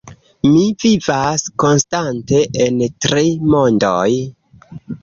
Mi vivas konstante en tri mondoj.